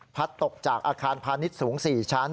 ตกจากอาคารพาณิชย์สูง๔ชั้น